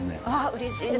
うれしいです。